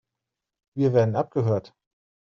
Wir werden abgehört.